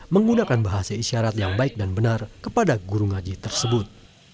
menggunakan bahasa isyarat yang baik dan benar kepada guru ngaji tersebut